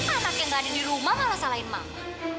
anak yang gak ada di rumah malah salahin mau